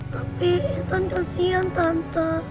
tapi intan kasihan tante